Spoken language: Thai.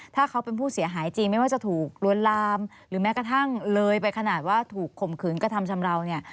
ถ้าเขาเป็นผู้เสียหายจริงไม่ว่าจะถูกลวนลามหรือแม้กระทั่งเลยไปขนาดว่าถูกข่มขืนกระทำชำราวเนี่ย